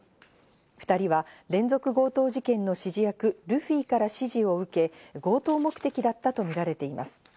２人は連続強盗事件の指示役ルフィから指示を受け、強盗目的だったとみられています。